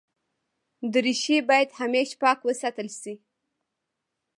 دریشي باید همېشه پاک وساتل شي.